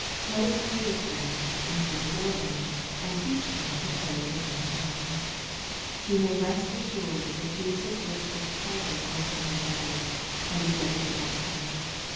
Let us pray with them, and pray for them, and teach them to pray for themselves. We may rest as sured that Jesus looks with pleasure on such endeavors, and is ready to bless them.